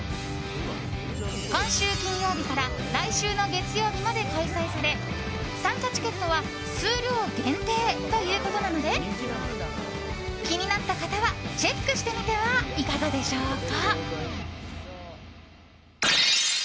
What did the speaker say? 今週金曜日から来週の月曜日まで開催され参加チケットは数量限定ということなので気になった方はチェックしてみてはいかがでしょうか？